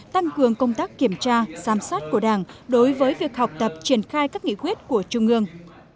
tăng cường công tác kiểm tra giám sát của đảng đối với việc học tập triển khai các nghị quyết của trung ương